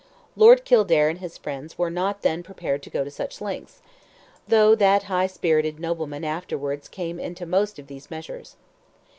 Lord Kildare and his friends were not then prepared to go such lengths, though that high spirited nobleman afterwards came into most of these measures.